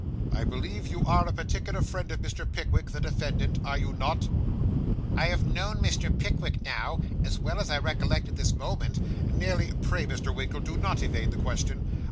I believe you are a particular friend of Mr. Pickwick, the defendant, are you not?' 'I have known Mr. Pickwick now, as well as I recollect at this moment, nearly ' 'Pray, Mr. Winkle, do not evade the question.